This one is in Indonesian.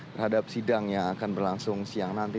terhadap sidang yang akan berlangsung siang nanti